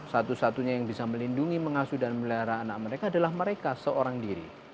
satu satunya yang bisa melindungi mengasuh dan melihara anak mereka adalah mereka seorang diri